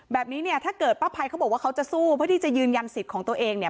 แบบนี้เนี่ยถ้าเกิดป้าภัยเขาบอกว่าเขาจะสู้เพื่อที่จะยืนยันสิทธิ์ของตัวเองเนี่ย